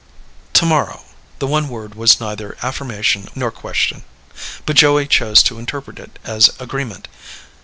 "Tomorrow." The one word was neither affirmation nor question. But Joey chose to interpret it as agreement.